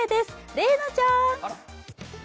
麗奈ちゃん。